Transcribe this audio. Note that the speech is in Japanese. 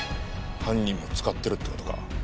犯人も使ってるって事か。